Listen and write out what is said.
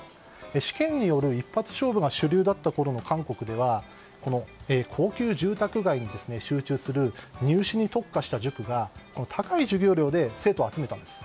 試験による一発勝負が主流だったころの韓国では高級住宅街に集中する入試に特化した塾が高い授業料で生徒を集めたんです。